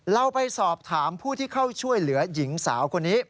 เราไปสอบถามผู้ที่เข้าช่วยเหลือหญิงสาวคนนี้